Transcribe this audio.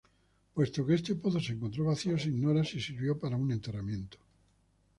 Puesto que este pozo se encontró vacío, se ignora si sirvió para un enterramiento.